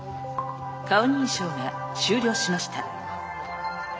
顔認証が終了しました。